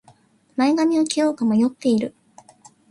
前髪を切ろうか迷っている